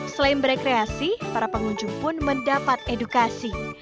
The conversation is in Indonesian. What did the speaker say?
selain berekreasi para pengunjung pun mendapat edukasi